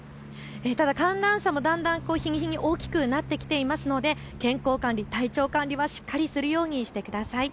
ただ寒暖差もだんだん日に日に大きくなってきていますので健康管理、体調管理はしっかりするようにしてください。